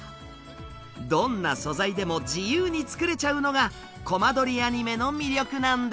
どんな素材でも自由に作れちゃうのがコマ撮りアニメの魅力なんです。